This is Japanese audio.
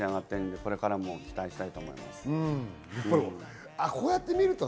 これからもお伝えしたいと思います。